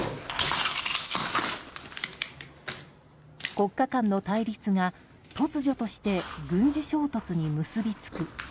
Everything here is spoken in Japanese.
国家間の対立が突如として軍事衝突に結び付く。